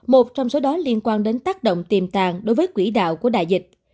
một trong số đó liên quan đến tác động tiềm tàng đối với quỹ đạo của đại dịch